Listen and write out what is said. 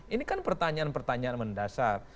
ini kan pertanyaan pertanyaan mendasar